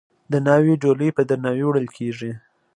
د ناوې ډولۍ په درناوي وړل کیږي.